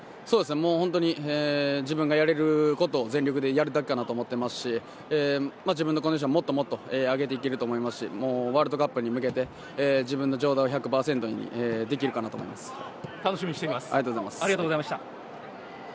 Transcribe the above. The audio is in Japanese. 本当に自分がやれることを全力でやるだけだと思ってますし自分のコンディションをもっともっと上げられると思いますしワールドカップに向けて自分の状態を１００％にできるかなと思っています。